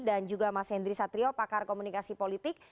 dan juga mas hendri satrio pakar komunikasi politik